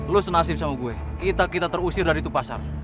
lu senasib sama gue kita terusir dari itu pasar